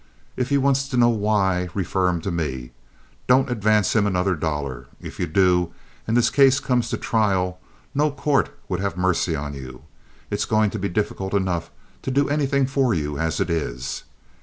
If he wants to know why, refer him to me. Don't advance him another dollar. If you do, and this case comes to trial, no court would have any mercy on you. It's going to be difficult enough to do anything for you as it is.